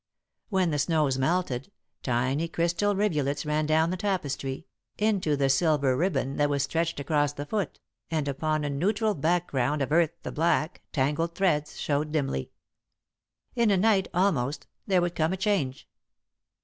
When the snows melted, tiny crystal rivulets ran down the tapestry, into the silver ribbon that was stretched across the foot, and upon a neutral background of earth the black, tangled threads showed dimly. In a night, almost, there would come a change.